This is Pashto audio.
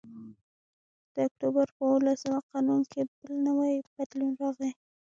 د اکتوبر په اوولسمه په قانون کې بل نوی بدلون راغی